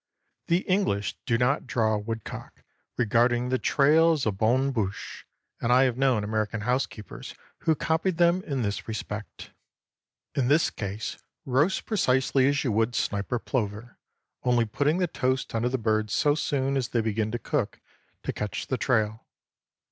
_ The English do not draw woodcock, regarding the trail as a bonne bouche, and I have known American housekeepers who copied them in this respect. In this case roast precisely as you would snipe or plover, only putting the toast under the birds so soon as they begin to cook, to catch the trail.